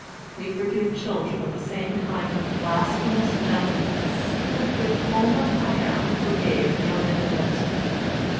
We forgive children with the same kind of blasphemous gentle ness with which Omar Khayyam forgave the Omnipotent.